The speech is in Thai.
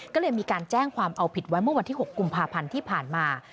ก็เลยมีการแจ้งความเอาผิดไว้เมื่อวันที่๖กุมภาพันธ์ที่ผ่านมา